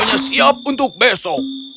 sudah siap untuk besok